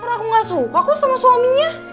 karena aku gak suka kok sama suaminya